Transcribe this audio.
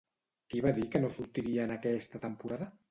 Qui va dir que no sortiria en aquesta temporada?